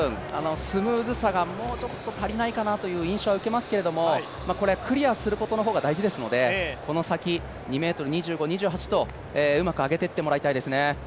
スムーズさがもうちょっと足りないかなという印象は受けますがクリアすることの方が大事ですので、この先２ｍ２５、２８とうまく上げていってもらいたいですね。